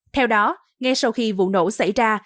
theo đó ngay sau khi vụ nổ xảy ra